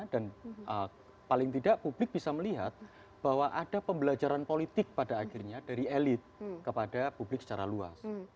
dan paling tidak publik bisa melihat bahwa ada pembelajaran politik pada akhirnya dari elit kepada publik secara luas